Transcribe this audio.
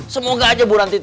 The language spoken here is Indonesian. semoga aja burang titiknya